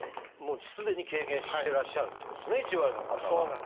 もうすでに経験してらっしゃるっていうことですね１割の方は。